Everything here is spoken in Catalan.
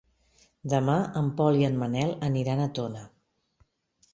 Demà en Pol i en Manel aniran a Tona.